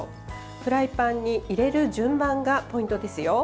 フライパンに入れる順番がポイントですよ。